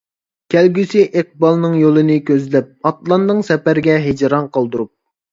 كەلگۈسى ئىقبالنىڭ يولىنى كۆزلەپ، ئاتلاندىڭ سەپەرگە ھىجران قالدۇرۇپ.